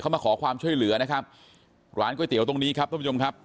มาขอความช่วยเหลือนะครับร้านก๋วยเตี๋ยวตรงนี้ครับท่านผู้ชมครับ